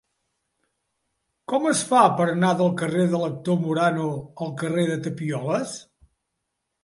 Com es fa per anar del carrer de l'Actor Morano al carrer de Tapioles?